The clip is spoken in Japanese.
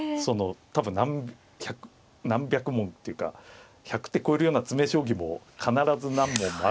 多分何百問っていうか１００手超えるような詰め将棋も必ず何問もある中で。